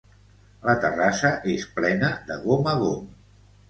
La terrassa és plena de gom a gom.